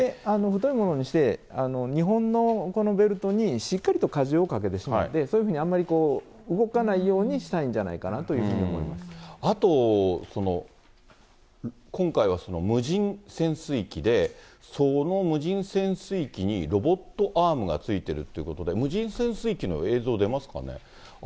太いものにして、２本のこのベルトにしっかりと加重をかけてしまうんで、そういうふうにあんまり動かないようにしたいんじゃないかなといあと、今回は無人潜水機で、その無人潜水機にロボットアームが付いてるということで、無人潜水機の映像出ますかね。